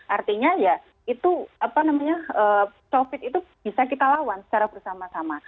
artinya ya itu apa namanya covid itu bisa kita lawan secara bersama sama